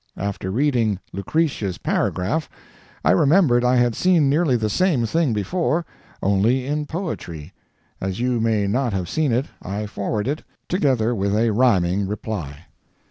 After reading 'Lucretia's Paragraph,' I remembered I had seen nearly the same thing before, only in poetry. As you may not have seen it, I forward it, together with a rhyming reply."